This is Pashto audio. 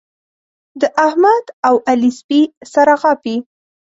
د احمد او علي سپي سره غاپي.